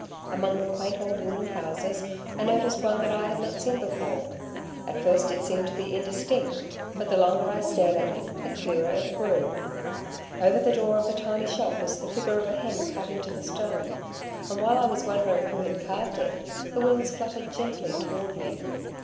Among the quaint old wooden houses I noticed one that I had not seen before; at first it seemed to be indistinct, but the longer I stared at it, the clearer it grew. Over the door of the tiny shop was the figure of a hen cut into the stone, and while I was wondering who had carved it, the wings fluttered gently toward me.